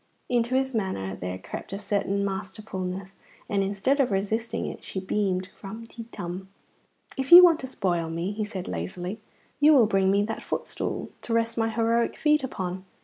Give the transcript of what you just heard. Into his manner there crept a certain masterfulness, and instead of resisting it she beamed. Rum ti tum! "If you want to spoil me," he said lazily, "you will bring me that footstool to rest my heroic feet upon."